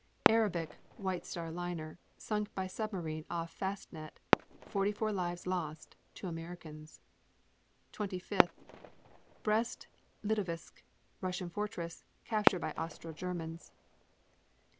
Arabic, White Star liner, sunk by submarine off Fastnet; 44 lives lost; 2 Americans. 25. Brest Litovsk, Russian fortress, captured by Austro Germans.